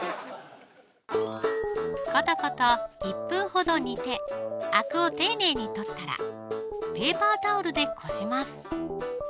コトコト１分ほど煮てアクを丁寧に取ったらペーパータオルでこします